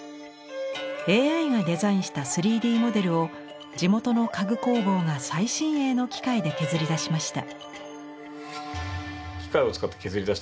ＡＩがデザインした３Ｄモデルを地元の家具工房が最新鋭の機械で削りだしました。